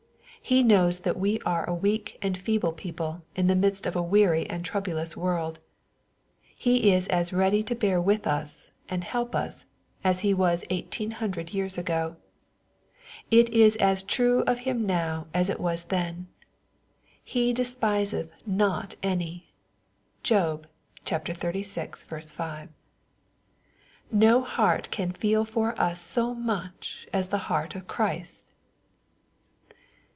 He knows that we are a weak and feeble people, in the midst of a weary and troublous world. He is as ready to bear with us, and help us, as He was 1800 years ago. It is as true of Him now as it was then, "He despiset^jaataDy." (Job xxxvi. 5.) No heart can feel for us so much as the h^art of Christ.